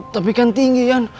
tapi kan tinggi ian